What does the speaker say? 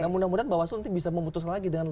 mudah mudahan bawah itu nanti bisa memutuskan lagi dengan